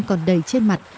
còn đầy trên mặt